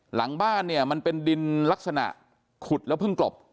หลังบ้านเนี่ยมันเป็นดินลักษณะขุดแล้วเพิ่งกลบ